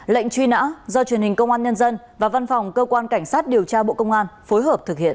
lệnh truy nã do truyền hình công an nhân dân và văn phòng cơ quan cảnh sát điều tra bộ công an phối hợp thực hiện